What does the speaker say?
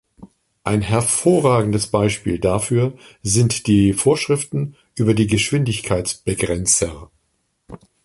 Ein hervorragendes Beispiel dafür sind die Vorschriften über die Geschwindigkeitsbegrenzer.